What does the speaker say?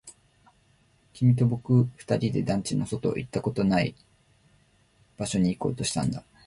君と僕二人で団地の外、行ったことのない場所に行こうとしたんだ